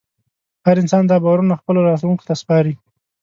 هر نسل دا باورونه خپلو راتلونکو ته سپاري.